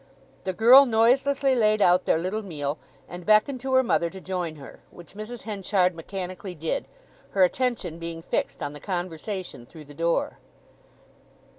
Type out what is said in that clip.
The girl noiselessly laid out their little meal, and beckoned to her mother to join her, which Mrs. Henchard mechanically did, her attention being fixed on the conversation through the door.